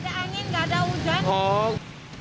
tidak ada angin tidak ada hujan